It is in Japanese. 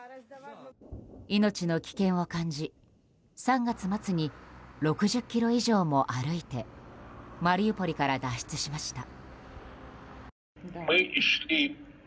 命の危険を感じ、３月末に６０ｋｍ以上も歩いてマリウポリから脱出しました。